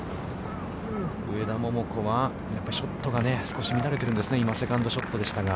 上田桃子は、やっぱりショットが少し乱れているんですね、今、セカンドショットでしたが。